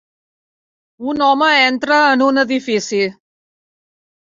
Un home entra en un edifici.